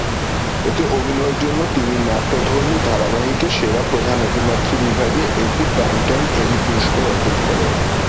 এতে অভিনয়ের জন্য তিনি নাট্যধর্মী ধারাবাহিকে সেরা প্রধান অভিনেত্রী বিভাগে একটি প্রাইমটাইম এমি পুরস্কার অর্জন করেন।